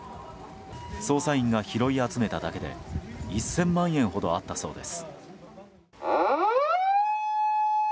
捜査員が拾い集めただけで１０００万円ほどあったそうです。